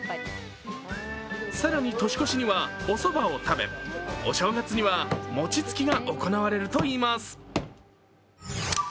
更に年越しにはおそばを食べお正月には餅つきが行われるといいます。